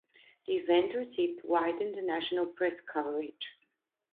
The event received wide international press coverage.